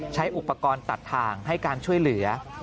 ใช้อุปกรณ์ตัดทางให้การช่วยเหลือ